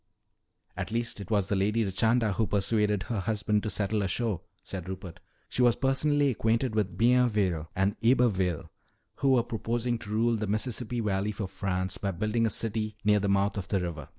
"At least it was the Lady Richanda who persuaded her husband to settle ashore," said Rupert. "She was personally acquainted with Bienville and Iberville who were proposing to rule the Mississippi valley for France by building a city near the mouth of the river.